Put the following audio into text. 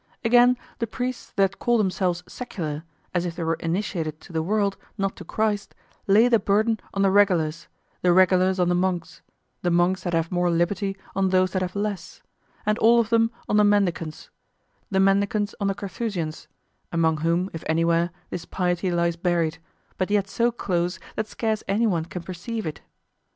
Again, the priests that call themselves secular, as if they were initiated to the world, not to Christ, lay the burden on the regulars; the regulars on the monks; the monks that have more liberty on those that have less; and all of them on the mendicants; the mendicants on the Carthusians, among whom, if anywhere, this piety lies buried, but yet so close that scarce anyone can perceive it.